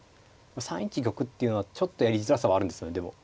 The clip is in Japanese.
３一玉っていうのはちょっとやりづらさはあるんですよでも。